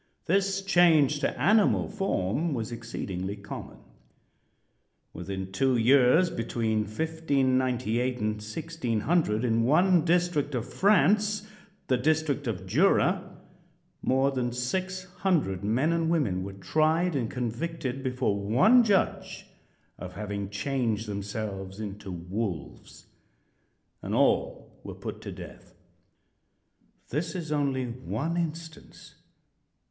This change to animal form was exceedingly common. Within two years, between 1598 and 1600, in one district of France, the district of Jura, more than six hundred men and women were tried and convicted before one judge of having changed themselves into wolves, and all were put to death. This is only one instance.